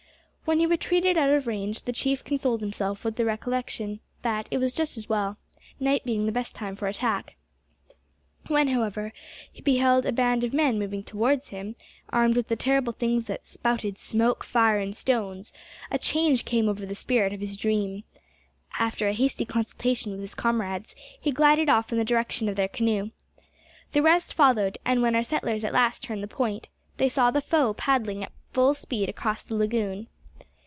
When he retreated out of range the chief consoled himself with the reflection that it was just as well, night being the best time for attack. When, however, he beheld a band of men moving towards him armed with the terrible things that "spouted smoke, fire, and stones," a change came over the spirit of his dream. After a hasty consultation with his comrades, he glided off in the direction of their canoe. The rest followed, and when our settlers at last turned the point, they saw the foe paddling at full speed across the lagoon.